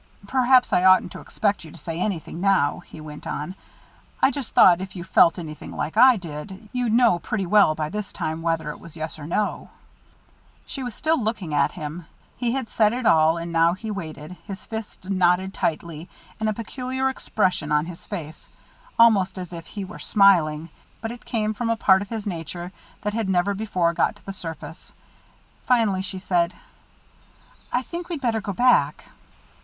"Perhaps I oughtn't to expect you to say anything now," he went on. "I just thought if you felt anything like I did, you'd know pretty well, by this time, whether it was yes or no." She was still looking at him. He had said it all, and now he waited, his fists knotted tightly, and a peculiar expression on his face, almost as if he were smiling, but it came from a part of his nature that had never before got to the surface. Finally she said: "I think we'd better go back."